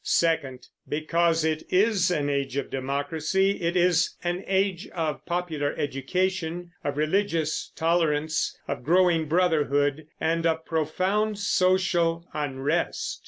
Second, because it is an age of democracy, it is an age of popular education, of religious tolerance, of growing brotherhood, and of profound social unrest.